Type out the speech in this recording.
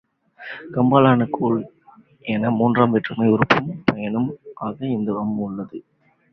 கம்பால் ஆன கூழ் என மூன்றாம் வேற்றுமை உருபும் பயனும் ஆக இந்த அம் உள்ளது.